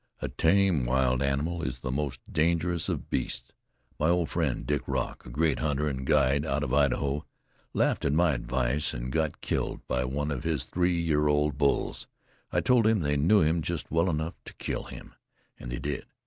"A tame wild animal is the most dangerous of beasts. My old friend, Dick Rock, a great hunter and guide out of Idaho, laughed at my advice, and got killed by one of his three year old bulls. I told him they knew him just well enough to kill him, and they did.